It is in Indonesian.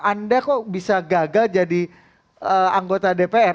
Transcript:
anda kok bisa gagal jadi anggota dpr